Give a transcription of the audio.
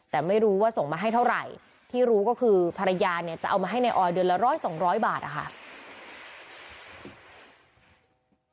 แต่ไม่รู้ว่าส่งมาให้เท่าไหร่ที่รู้ก็คือภรรยาเนี่ยจะเอามาให้นายออยเดือนละร้อยสองร้อยบาทนะคะ